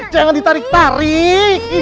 jangan ditarik tarik